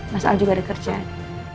mas al juga ada kerjaan